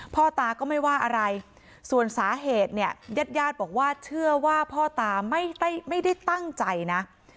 พ่อตาก็ไม่ว่าอะไรส่วนสาเหตุเนี่ยญาติญาติบอกว่าเชื่อว่าพ่อตาไม่ได้ตั้งใจนะ